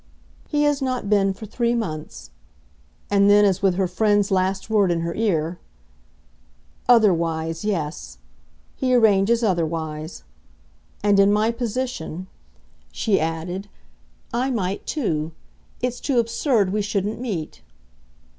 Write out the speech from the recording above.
"He has not been for three months." And then as with her friend's last word in her ear: "'Otherwise' yes. He arranges otherwise. And in my position," she added, "I might too. It's too absurd we shouldn't meet."